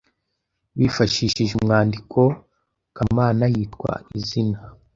Wifashishije umwandiko “Kamana yitwa izina